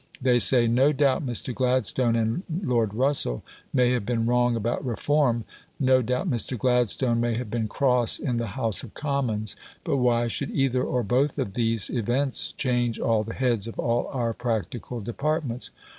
They say: "No doubt Mr. Gladstone and Lord Russell may have been wrong about Reform; no doubt Mr. Gladstone may have been cross in the House of Commons; but why should either or both of these events change all the heads of all our practical departments?